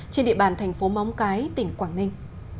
trên địa bàn thành phố móng cái tỉnh quảng ninh